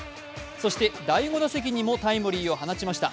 そして第５打席にもタイムリーを放ちました。